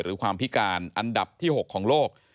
หรือความพิการอันดับที่๖ของโลก